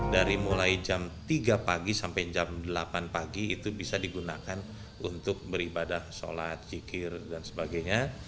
dari mulai jam tiga pagi sampai jam delapan pagi itu bisa digunakan untuk beribadah sholat jikir dan sebagainya